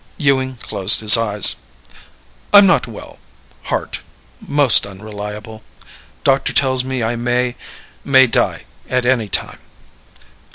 Ewing closed his eyes. "I'm not well. Heart. Most unreliable. Doctor tells me I may ... may die ... at any time."